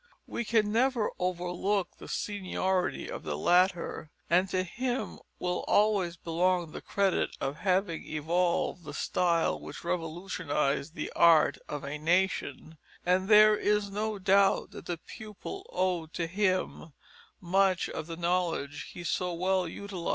We can never overlook the seniority of the latter, and to him will always belong the credit of having evolved the style which revolutionised the art of a nation, and there is no doubt that the pupil owed to him much of the knowledge he so well utilised in after life.